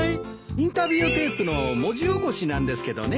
インタビューテープの文字起こしなんですけどね。